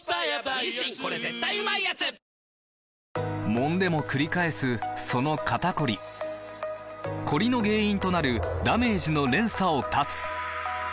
もんでもくり返すその肩こりコリの原因となるダメージの連鎖を断つ！